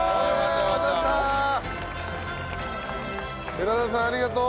寺田さんありがとう。